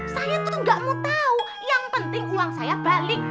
saya tuh gak mau tahu yang penting uang saya balik